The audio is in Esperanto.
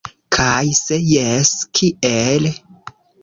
Kaj se jes, kiel?